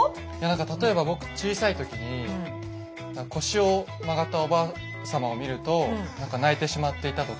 例えば僕小さいときに腰を曲がったおばあさまを見るとなんか泣いてしまっていたとか。